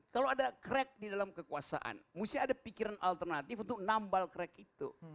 kalau ada crack di dalam kekuasaan mesti ada pikiran alternatif untuk nambal crack itu